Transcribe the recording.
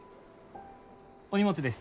お荷物です。